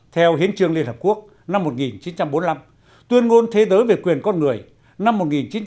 theo hiến trương liên hợp quốc năm một nghìn chín trăm bốn mươi năm tuyên ngôn thế giới về quyền con người năm một nghìn chín trăm tám mươi hai